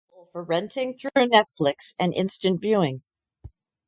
It is available for renting through Netflix and instant viewing.